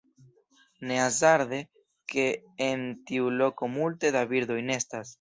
Ne hazarde, ke en tiu loko multe da birdoj nestas.